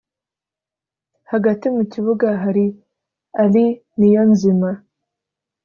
Hagati mu kibuga hari Ally Niyonzima